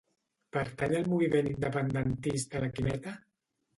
Pertany al moviment independentista la Quimeta?